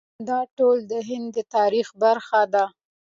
دا ټول د هند د تاریخ برخه ده.